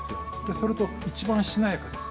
それと一番しなやかです。